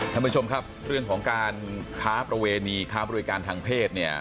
ท่านผู้ชมครับเรื่องของการค้าประเวณีค้าบริการทางเพศเนี่ย